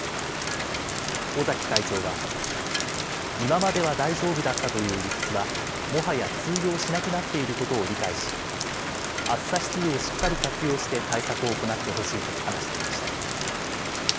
尾崎会長は、今までは大丈夫だったという理屈は、もはや通用しなくなっていることを理解し、暑さ指数をしっかり活用して対策を行ってほしいと話していました。